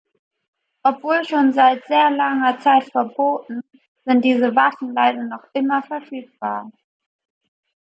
Obwohl schon seit sehr langer Zeit verboten, sind diese Waffen leider noch immer verfügbar.